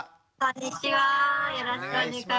よろしくお願いします。